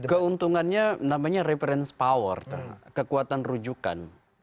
keuntungannya namanya reference power kekuatan rujukan